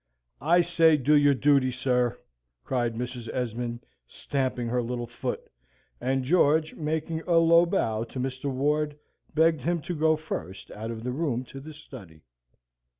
"I say, do your duty, sir!" cried Mrs. Esmond, stamping her little foot. And George, making a low bow to Mr. Ward, begged him to go first out of the room to the study.